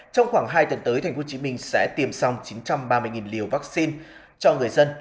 trong khoảng hai tuần tới tp hcm sẽ tiêm xong chín trăm ba mươi liều vaccine cho người dân